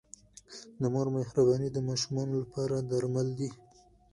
د مور مهرباني د ماشومانو لپاره درمل دی.